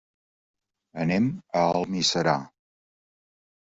Anem a Almiserà.